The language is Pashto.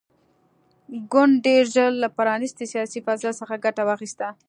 ګوند ډېر ژر له پرانیستې سیاسي فضا څخه ګټه واخیسته.